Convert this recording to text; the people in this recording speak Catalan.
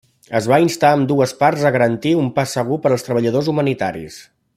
Es va instar a ambdues parts a garantir un pas segur per als treballadors humanitaris.